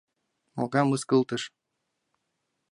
Могай мыскылтыш!